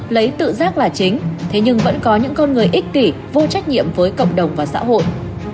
lấy tự giác là chính thế nhưng vẫn có những con người ích kỷ vô trách nhiệm với cộng đồng và xã hội